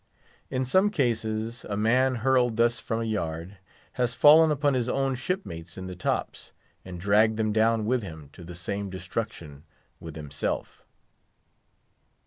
In some cases, a man, hurled thus from a yard, has fallen upon his own shipmates in the tops, and dragged them down with him to the same destruction with himself.